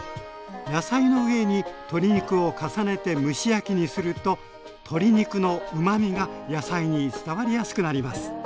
野菜の上に鶏肉を重ねて蒸し焼きにすると鶏肉のうまみが野菜に伝わりやすくなります。